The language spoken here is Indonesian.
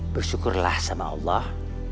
bersyukurlah sama allah